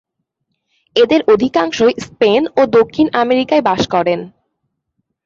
এদের অধিকাংশই স্পেন ও দক্ষিণ আমেরিকায় বাস করেন।